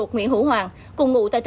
nguyễn hữu hoàng